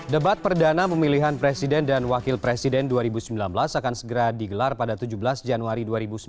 debat perdana pemilihan presiden dan wakil presiden dua ribu sembilan belas akan segera digelar pada tujuh belas januari dua ribu sembilan belas